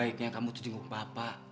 apa gak sebaiknya kamu tuh jenguk bapak